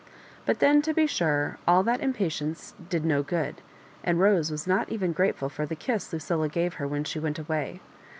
But then, to be sure, all that impatience did no good; and Rose was not even grateful for the kiss Lucilla gave her when she went away.